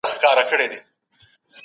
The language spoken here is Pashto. ایا ته په دې لاره پوهېږې؟